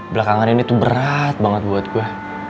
belakangan ini tuh berat banget buat gue